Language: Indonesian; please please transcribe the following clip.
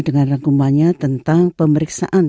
dengan rangkumannya tentang pemeriksaan